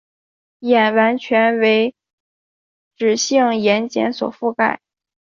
眼完全为脂性眼睑所覆盖。